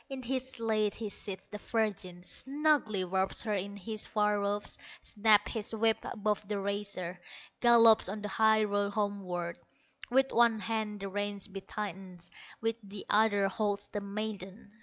In his sleigh he seats the virgin, Snugly wraps her in his fur robes, Snaps his whip above the racer, Gallops on the high road homeward; With one hand the reins he tightens, With the other holds the maiden.